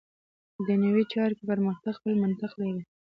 دنیوي چارو کې پرمختګ خپل منطق لري.